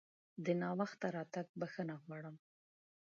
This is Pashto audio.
د ناوخته راتګ بښنه غواړم!